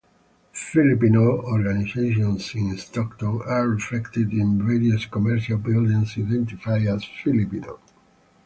Filipino organizations in Stockton are reflected in various commercial buildings identified as Filipino.